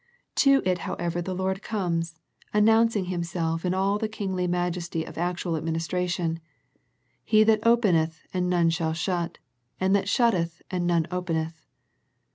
To it however the Lord comes, announcing Himself in all the Kingly majesty of actual administra tion, " He that openeth, and none shall shut, and that shutteth and none openeth."